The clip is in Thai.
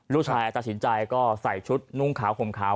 ลูกชายตัดสินใจก็ใส่ชุดนุ่งขาวห่มขาว